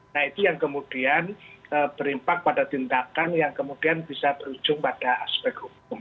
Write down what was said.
nah itu yang kemudian berimpak pada tindakan yang kemudian bisa berujung pada aspek hukum